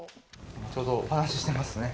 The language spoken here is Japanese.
ちょうど、お話してますね。